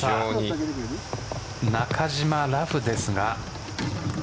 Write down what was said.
中島、ラフですが。